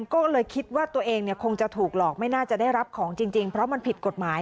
ก็เลยคิดว่าตัวเองคงจะถูกหลอกไม่น่าจะได้รับของจริงเพราะมันผิดกฎหมาย